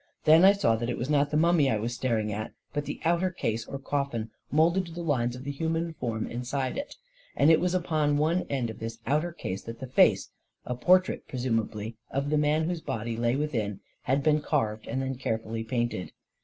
Then I saw that it was not the mummy I was star ing at, but the outer case, or coffin, moulded to the lines of the human form inside it; and that it was upon one end of this outer case that the face — a portrait, presumably, of the man whose body lay within — had been carved and then carefully painted.